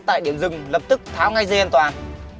tại điểm dừng lập tức tháo ngay dê an toàn